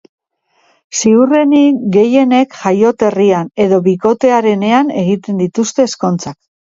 Ziurrenik gehienek jaioterrian, edo bikotearenean egiten dituzte ezkontzak.